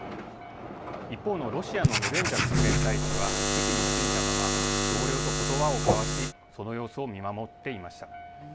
一方のロシアのネベンジャ国連大使は、席に着いたまま、同僚とことばを交わし、その様子を見守っていました。